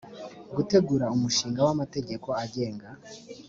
gutegura umushinga w amategeko agenga